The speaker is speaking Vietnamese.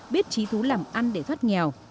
biết trí thú làm ăn để thoát nghèo